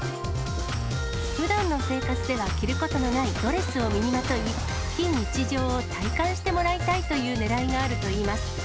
ふだんの生活では着ることのないドレスを身にまとい、非日常を体感してもらいたいというねらいがあるといいます。